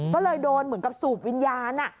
ก็เลยโดนเหมือนกับสูบวิญญาณ